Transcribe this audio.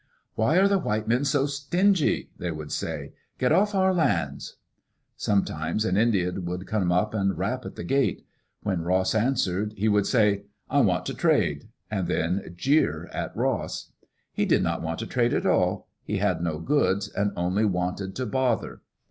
"Why are the white men so stingy?" they would say. "Get off our lands." Sometimes an Indian would come and rap at the gate. When Ross answered, he would say, "I want to trade," and then jeer at Ross. He did not want to trade at all; he had no goods and only wanted to bother.